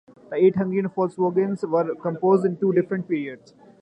The "Eight Hungarian Folksongs" were composed in two different periods.